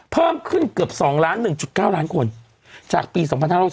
เพิ่มขึ้นเกือบ๒๑๙ล้านคนจากปี๒๕๖๒